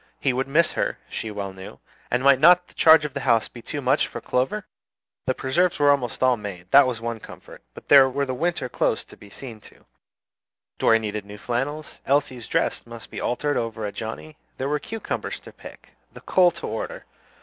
He would miss her, she well knew, and might not the charge of the house be too much for Clover? The preserves were almost all made, that was one comfort; but there were the winter clothes to be seen to; Dorry needed new flannels, Elsie's dresses must be altered over for Johnnie, there were cucumbers to pickle, the coal to order!